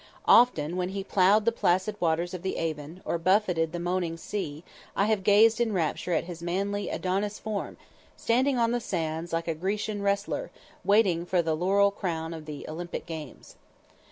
Often when he ploughed the placid waters of the Avon, or buffeted the breakers of the moaning sea, have I gazed in rapture at his manly, Adonis form, standing on the sands, like a Grecian wrestler, waiting for the laurel crown of the Olympic games.